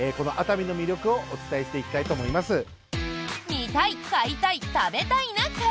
「見たい買いたい食べたいな会」。